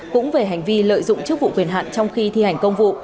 cũng về hành vi lợi dụng chức vụ quyền hạn trong khi thi hành công vụ